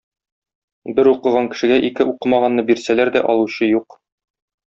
Бер укыган кешегә ике укымаганны бирсәләр дә алучы юк.